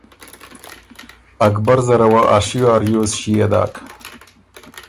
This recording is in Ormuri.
اکبر زره وه ا شیو ا ریوز ݭيې داک